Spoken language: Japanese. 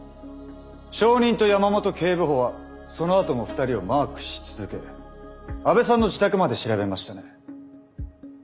証人と山本警部補はそのあとも２人をマークし続け阿部さんの自宅まで調べましたね？